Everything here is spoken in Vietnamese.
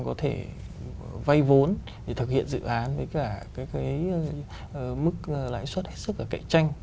có thể vay vốn để thực hiện dự án với cả cái mức lãi suất hết sức là cạnh tranh